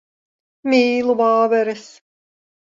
Mīlu vāveres.